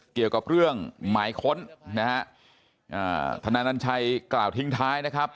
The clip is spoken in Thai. เกี่ยวกับเรื่องหมายค้นนะฮะอ่าทนายนัญชัยกล่าวทิ้งท้ายนะครับ